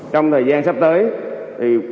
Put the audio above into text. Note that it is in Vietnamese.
trong thời gian sắp tới thì